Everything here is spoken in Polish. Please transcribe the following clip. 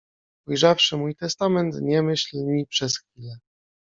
Ujrzawszy mój testament nie myśl ni przez chwilę…